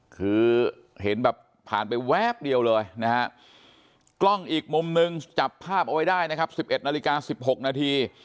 คือเห็นแบบผ่านไปแวบเดียวเลยนะฮะกล้องอีกมุมนึงจับภาพเอาไว้ได้นะครับ๑๑นาฬิกา๑๖นาที